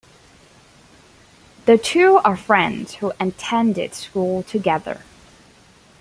The two are friends who attended school together.